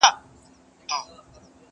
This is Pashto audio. o چي آسانه پر دې ښځي سي دردونه.